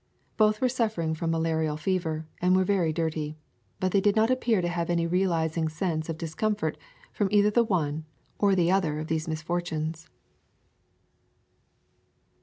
Both were suffering from ma larial fever, and were very dirty. But they did not appear to have any realizing sense of dis comfort from either the one or the other of these misfortunes.